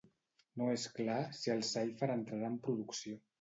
No és clar si el Cypher entrarà en producció.